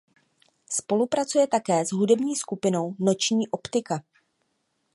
Spolupracuje také s hudební skupinou Noční optika.